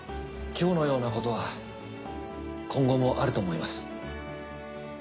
今日のようなことは今後もあると思います。